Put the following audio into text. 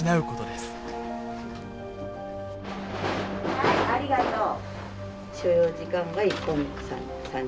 はいありがとう。